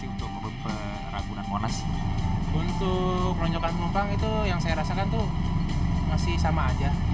untuk setelah penumpang itu yang saya rasakan itu masih sama saja